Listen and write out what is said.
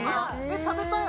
食べたい。